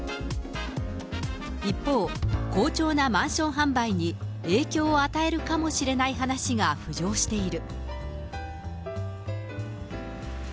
一方、好調なマンション販売に、影響を与えるかもしれない話が浮上している。